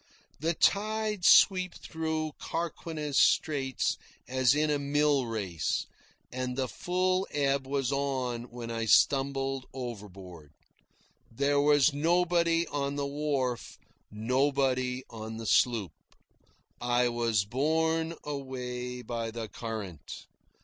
The tides sweep through Carquinez Straits as in a mill race, and the full ebb was on when I stumbled overboard. There was nobody on the wharf, nobody on the sloop. I was borne away by the current.